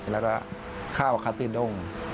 แล้วก็ข้าวคาซีด้ง